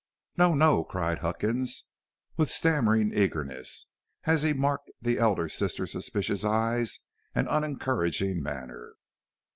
"No, no," cried Huckins, with stammering eagerness, as he marked the elder sister's suspicious eyes and unencouraging manner.